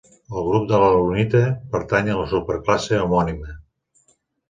El grup de l'alunita pertany a la superclasse homònima.